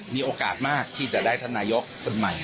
มีโอกาสมากที่จะได้ท่านนายกคนใหม่